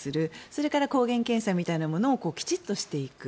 それから抗原検査みたいなものをきちんとしていく。